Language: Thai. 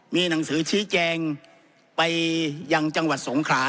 มีหนังสือชี้แจงไปยังจังหวัดสงขลา